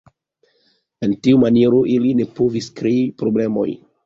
En tiu maniero, ili ne povis krei problemoj.